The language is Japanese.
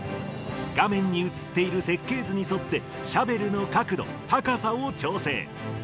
画面に映っている設計図に沿って、シャベルの角度、高さを調整。